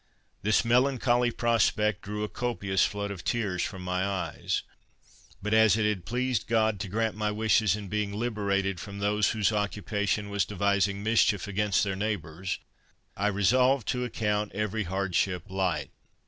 This melancholy prospect drew a copious flood of tears from my eyes; but as it had pleased God to grant my wishes in being liberated from those whose occupation was devising mischief against their neighbors, I resolved to account every hardship light.